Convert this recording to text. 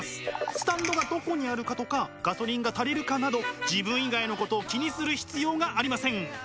スタンドがどこにあるかとかガソリンが足りるかなど自分以外のことを気にする必要がありません。